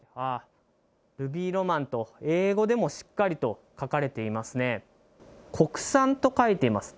ルビーロマンと、英語でもしっかり書かれていますね。